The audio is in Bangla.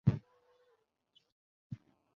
তথাপি মনকে প্রবোধ দিয়া থাকেন যে, কোনো প্রজাকে ডরাই না!